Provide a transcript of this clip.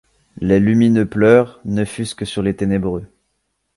Les lumineux pleurent, ne fût-ce que sur les ténébreux.